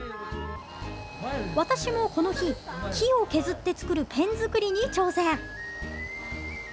私もこの日、木を削って作るペン作りに挑戦。